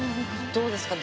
どうですか？